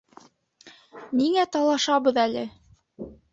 Ниңә талашабыҙ әле?